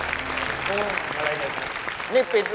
ถ้าเป็นปากถ้าเป็นปาก